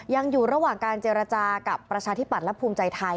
ยังอยู่ระหว่างการเจรจากับประชาธิปัตย์และภูมิใจไทย